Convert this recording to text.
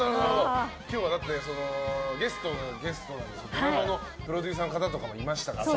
今日はゲストがゲストなのでドラマのプロデューサーの方とかもいましたからね。